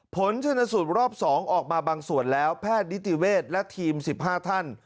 ผลชนสูตรรอบ๒ออกมาบางส่วนแล้วแพทย์นิติเวศและทีม๑๕ท่าน